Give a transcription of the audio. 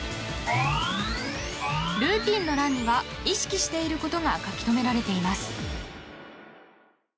ルーティンの欄には意識していることが書き留められています。